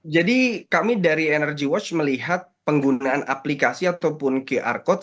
jadi kami dari energy watch melihat penggunaan aplikasi ataupun qr code